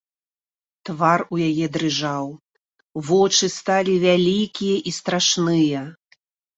Твар у яе дрыжаў, вочы сталі вялікія і страшныя.